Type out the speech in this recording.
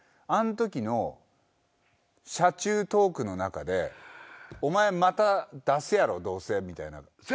あんときの車中トークの中で「お前また出すやろどうせ」みたいな。